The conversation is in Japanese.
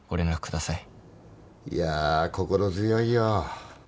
いやー心強いよ。